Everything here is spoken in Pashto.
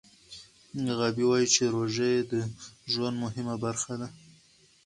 غابي وايي چې روژه یې د ژوند مهمه برخه ده.